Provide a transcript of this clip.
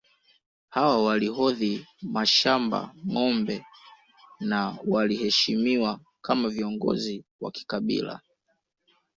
Hawa walihodhi mashamba ngombe na waliheshimiwa kama viongozi wa kikabila